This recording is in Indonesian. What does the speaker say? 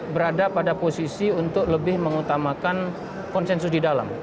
berada pada posisi untuk lebih mengutamakan konsensus di dalam